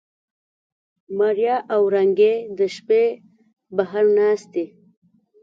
ماريا او وړانګې د شپې بهر ناستې.